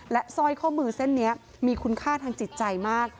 สร้อยข้อมือเส้นนี้มีคุณค่าทางจิตใจมาก